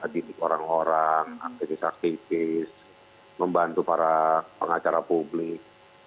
didik orang orang aktivis aktivis membantu para pengacara publik